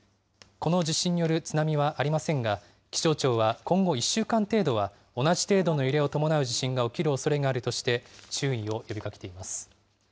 この地震による津波はありませんが、気象庁は今後１週間程度は、同じ程度の揺れを伴う地震が起きるおそれがあるとして注意を呼びかけています。